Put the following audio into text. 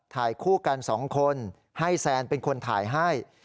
ถ่ายคู่กัน๒คนให้แซนเป็นคนถ่ายให้